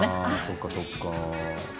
そっかそっか。